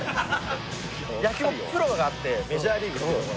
野球もプロがあってメジャーリーグっていうとこ。